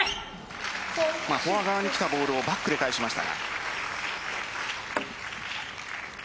フォア側に来たボールをバックで返しました。